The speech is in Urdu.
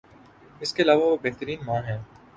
اس کے علاوہ وہ بہترین ماں ہیں